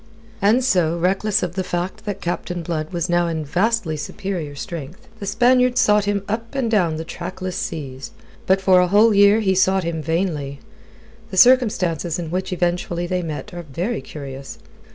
And so, reckless of the fact that Captain Blood was now in vastly superior strength, the Spaniard sought him up and down the trackless seas. But for a whole year he sought him vainly. The circumstances in which eventually they met are very curious.